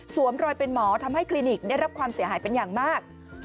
รอยเป็นหมอทำให้คลินิกได้รับความเสียหายเป็นอย่างมาก